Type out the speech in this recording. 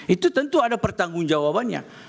itu tentu ada pertanggung jawabannya